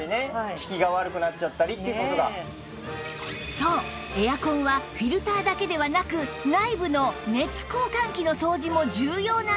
そうエアコンはフィルターだけではなく内部の熱交換器の掃除も重要なんです